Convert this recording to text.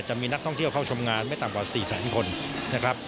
จะมีนักท่องเที่ยวเข้าชมงานไม่ต่ำกว่า๔แสนคนนะครับ